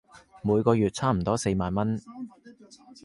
每個月差唔多四萬文